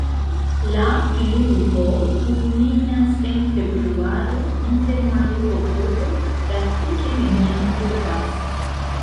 La pluvo kulminas en februaro, inter majo-oktobro praktike neniam pluvas.